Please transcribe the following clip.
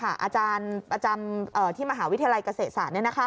อาจารย์ที่มหาวิทยาลัยเกษตรศาสตร์